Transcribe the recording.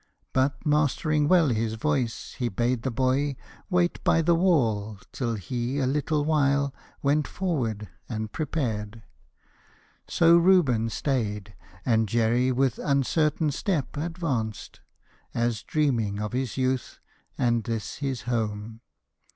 But, mastering well his voice, he bade the boy Wait by the wall, till he a little while Went forward, and prepared. So Reuben stayed; And Jerry with uncertain step advanced, As dreaming of his youth and this his home.